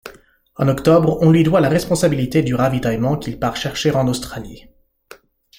En octobre, on lui doit la responsabilité du ravitaillement qu'il part chercher en Australie.